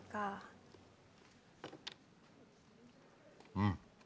うん。